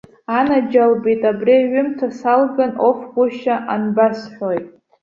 Анаџьалбеит, абри аҩымҭа салган, оф, гәышьа анбасҳәои!